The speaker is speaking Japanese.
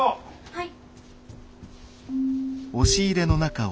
はい。